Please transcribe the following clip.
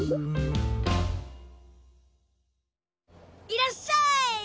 いらっしゃい！